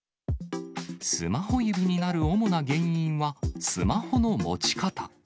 スマホ指になる主な原因は、スマホの持ち方。